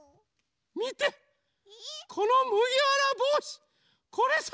みてこのむぎわらぼうし。